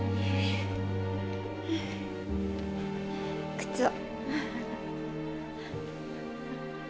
靴を。